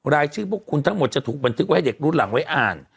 รายชื่อพวกคุณทั้งหมดจะถูกบันทึกไว้ให้เด็กรุ่นหลังไว้อ่าน